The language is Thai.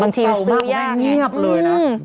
ปังทีซื้อยากไงเยอะมากว่าแม่เขาเงียบเลยนะ